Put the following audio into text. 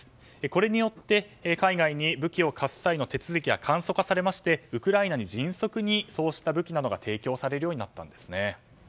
これによって、海外に武器を貸す際の手続きが簡素化されましてウクライナに迅速にそうした武器などが提供されるようになったんですね。